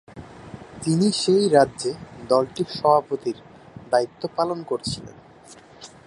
তিনি সেই রাজ্যে দলটির সভাপতির দায়িত্ব পালন করেছিলেন।